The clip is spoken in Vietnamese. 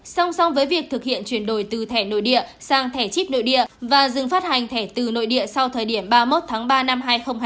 song song với việc thực hiện chuyển đổi từ thẻ nội địa sang thẻ chip nội địa và dừng phát hành thẻ từ nội địa sau thời điểm ba mươi một tháng ba năm hai nghìn hai mươi